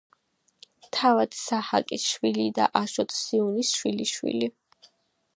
თავად საჰაკის შვილი და აშოტ სიუნის შვილიშვილი.